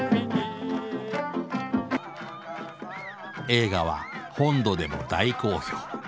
映画は本土でも大好評。